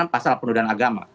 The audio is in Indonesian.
pasal penundaan agama